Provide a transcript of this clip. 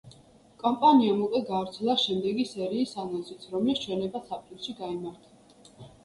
კომპანიამ უკვე გაავრცელა შემდეგი სერიის ანონსიც, რომლის ჩვენებაც აპრილში გაიმართება.